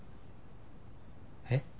えっ？